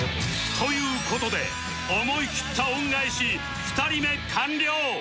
という事で思い切った恩返し２人目完了